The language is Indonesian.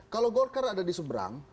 kalau golkar ada di seberang